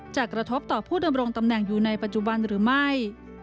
กระทบต่อผู้ดำรงตำแหน่งอยู่ในปัจจุบันหรือไม่